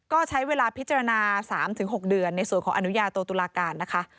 ก็ใช้เวลาพิจารณา๓๖เดือนในส่วนของอนุญาโตตุลาการนะคะ